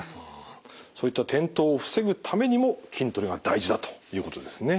そういった転倒を防ぐためにも筋トレが大事だということですね。